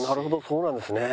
そうなんですね。